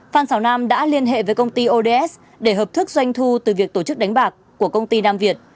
phan xào nam đã liên hệ với công ty ods để hợp thức doanh thu từ việc tổ chức đánh bạc của công ty nam việt